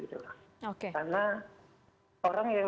karena orang yang